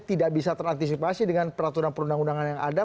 tidak bisa terantisipasi dengan peraturan perundang undangan yang ada